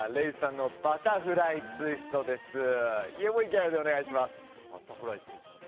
Ｒｅｉｊｉさんのバタフライツイストです。